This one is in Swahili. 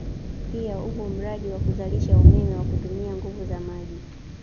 Pia upo mradi wa kuzalisha umeme wa kutumia nguvu za maji